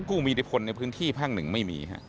ผู้มีอิทธิพลในพื้นที่ภาคหนึ่งไม่มี